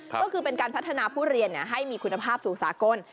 ก็คือเป็นการพัฒนาผู้เรียนให้มีคุณภาพสู่สากล